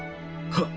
はっ！